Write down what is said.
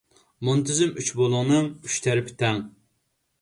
مۇنتىزىم ئۈچ بۇلۇڭنىڭ ئۈچ تەرىپى تەڭ.